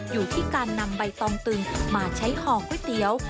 อยู่ที่การนำใบตองตึงมาใช้ห่อก๋วยเตี๋ยว